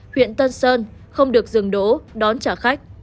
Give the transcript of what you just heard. huyện tân sơn không được dừng đỗ đón trả khách